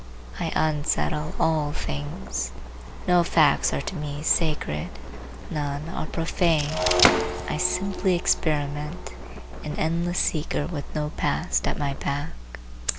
I unsettle all things. No facts are to me sacred; none are profane; I simply experiment, an endless seeker with no Past at my back.